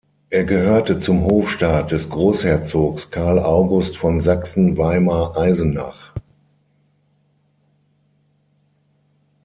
Er gehörte zum Hofstaat des Großherzogs Carl August von Sachsen-Weimar-Eisenach.